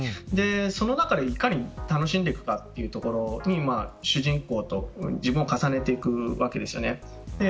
その中でいかに楽しんでいくかというところに主人公と自分を重ねていくわけです。